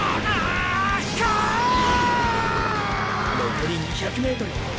残り２００ｍ。